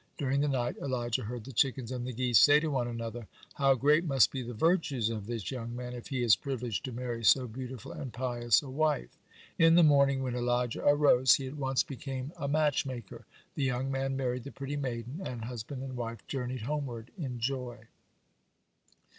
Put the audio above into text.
During the night Elijah heard the chickens and the geese say to one another: "How great must be the virtues of this young man, if he is privileged to marry so beautiful and pious a wife." In the morning, when Elijah arose, he at once became a matchmaker, the young man married the pretty maiden, and husband and wife journeyed homeward in joy.